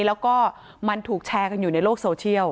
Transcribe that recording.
แล้วก็มันถูกแชร์กันอยู่ในโลกโซเชียล